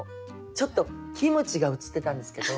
ちょっとキムチが写ってたんですけど。